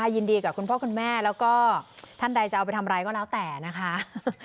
ยินดีกับพ่อคุณแม่ท่านใดจะไปทำไรก็แล้วแต่นะคะ